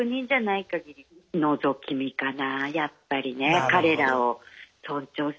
やっぱりね彼らを尊重するかな。